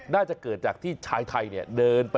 น่าจะเกิดจากที่ชายไทยเดินไป